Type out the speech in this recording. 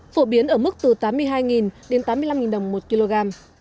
phổ biến ở mức từ tám mươi hai đến tám mươi năm đồng một kg